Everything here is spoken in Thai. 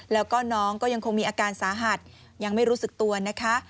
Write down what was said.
แล้วก็น้องก็ยังคงมีอาการสาหัสยังไม่รู้สึกตัวนะคะ